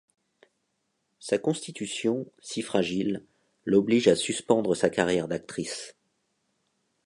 Sa constitution, si fragile, l'oblige à suspendre sa carrière d'actrice.